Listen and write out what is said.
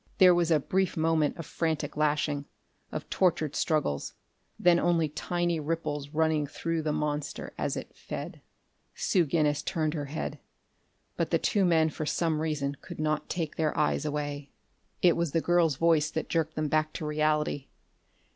There was a brief moment of frantic lashing, of tortured struggles then only tiny ripples running through the monster as it fed. Sue Guinness turned her head. But the two men for some reason could not take their eyes away.... It was the girl's voice that jerked them back to reality.